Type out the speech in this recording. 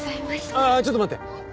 ああちょっと待って。